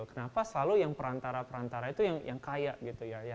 kenapa selalu yang perantara perantara itu yang kaya gitu ya